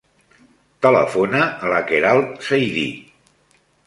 Telefona a la Queralt Saidi.